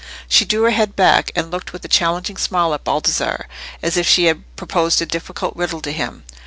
She drew her head back, and looked with a challenging smile at Baldassarre, as if she had proposed a difficult riddle to him.